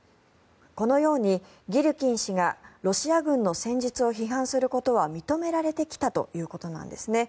このようにギルキン氏がロシア軍の戦術を批判することは認められてきたということなんですね。